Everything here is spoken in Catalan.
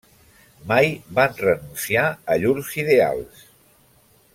Mai van renunciar a llurs ideals.